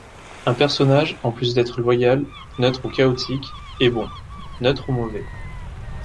Un personnage, en plus d'être loyal, neutre ou chaotique, est bon, neutre ou mauvais.